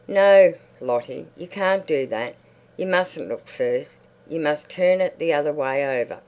"No, Lottie, you can't do that. You mustn't look first. You must turn it the other way over."